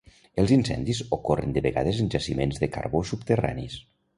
Els incendis ocorren de vegades en jaciments de carbó subterranis.